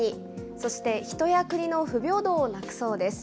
そして人や国の不平等をなくそうです。